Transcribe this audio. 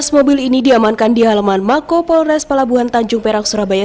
dua belas mobil ini diamankan di halaman mako polres pelabuhan tanjung perak surabaya